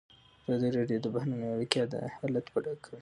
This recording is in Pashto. ازادي راډیو د بهرنۍ اړیکې حالت په ډاګه کړی.